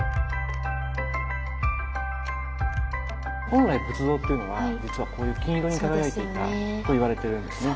本来仏像っていうのは実はこういう金色に輝いていたといわれてるんですね。